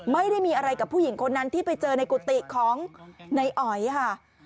ไม่ได้มีอะไรกับผู้หญิงคนนั้นที่ไปเจอในกุฏิของในอ๋อยค่ะ